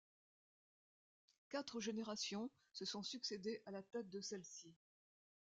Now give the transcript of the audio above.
Quatre générations se sont succédé à la tête de celle-ci.